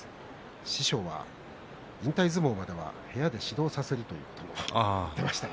師匠は引退相撲までは部屋で指導をさせるということも言ってました。